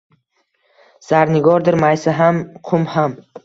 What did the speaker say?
Zarnigordir maysa ham, qum ham.